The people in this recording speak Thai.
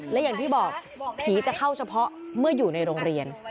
และอย่างที่บอกผีจะเข้าเฉพาะเมื่ออยู่ในโรงเรียน